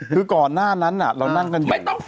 คือก่อนหน้านั้นเรานั่งกันอยู่